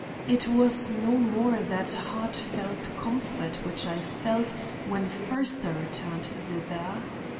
It was no more that heartfelt comfort, which I felt, when first I returned thither.